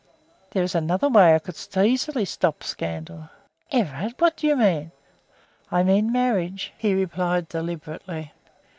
"There is another way; I could easily stop scandal." "Everard, what do you mean!" "I mean marriage," he replied deliberately.